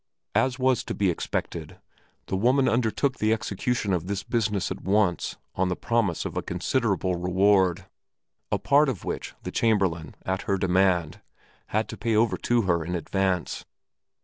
As was to be expected, the woman undertook the execution of this business at once on the promise of a considerable reward, a part of which the Chamberlain, at her demand, had to pay over to her in advance.